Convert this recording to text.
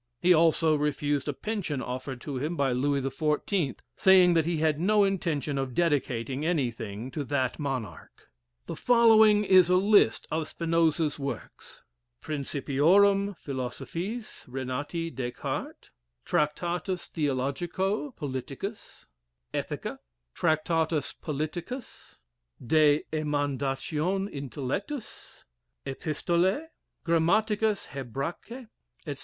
He also refused a pension offered to him by Louis XIV, saying that he had no intention of dedicating anything to that monarch. The following is a list of Spinoza's works: "Principiorum Philosophise Renati Descartes;" "Tractatus Theologico Politicus;" "Ethica;" "Tractatus Politi cus;" "De Emandatione Intellectus;" "Epistolæ;" "Grammaticus Hebracæ," etc.